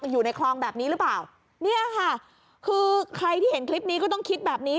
อยู่ในคลองแบบนี้หรือเปล่าเนี่ยค่ะคือใครที่เห็นคลิปนี้ก็ต้องคิดแบบนี้